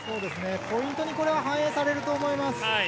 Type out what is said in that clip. ポイントにこれは反映されると思います。